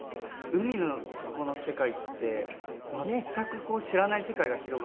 海の底の世界って全く知らない世界が広がってて。